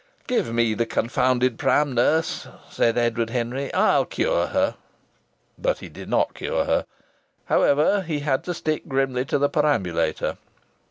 "Give me the confounded pram, nurse," said Edward Henry. "I'll cure her." But he did not cure her. However, he had to stick grimly to the perambulator.